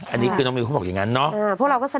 อันนี้คือน้องมิวเขาบอกอย่างนั้นเนาะ